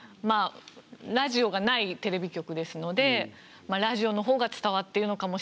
ラジオがないテレビ局ですのでラジオのほうが伝わってるのかもしれない。